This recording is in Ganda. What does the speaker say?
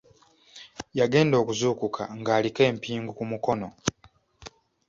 Yagenda okuzuukuka ng'aliko empingu ku mukono.